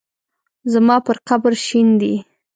زما پر قبر شیندي